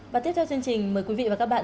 và tiếp theo chương trình mời quý vị và các bạn